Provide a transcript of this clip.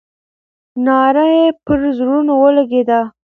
ناره یې پر زړونو ولګېده.